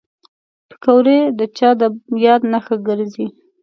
پکورې د چا د یاد نښه ګرځي